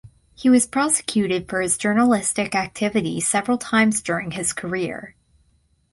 He was prosecuted for his journalistic activities several times during his career.